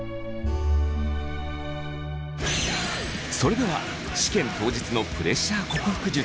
それでは試験当日のプレッシャ−克服術